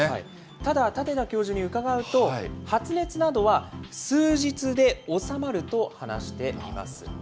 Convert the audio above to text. ただ、舘田教授に伺うと、発熱などは数日で治まると話しています。